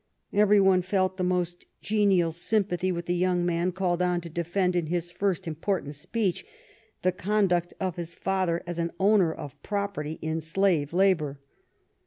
Every one felt the most genial sympathy with the young man called on to defend in his first important speech the conduct of his father as an owner of property in slave labor.